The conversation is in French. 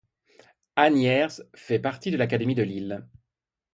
Anhiers fait partie de l'académie de Lille.